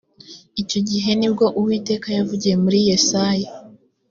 icyo gihe ni bwo uwiteka yavugiye muri yesaya